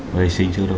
và hệ sinh trước đó